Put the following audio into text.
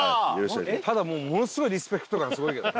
ただもうものすごいリスペクト感すごいけどね。